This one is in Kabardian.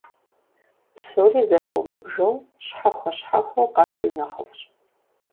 Псори зэхыумыбжэу, щхьэхуэ-щхьэхуэу къэбжи нэхъыфӏщ.